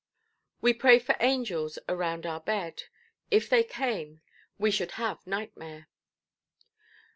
We pray for angels around our bed; if they came, we should have nightmare.